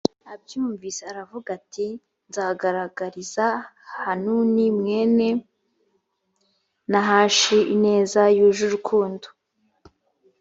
abyumvise aravuga ati nzagaragariza hanuni mwene nahashi ineza yuje urukundo